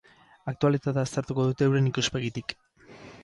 Aktualitatea aztertuko dute euren ikuspegitik.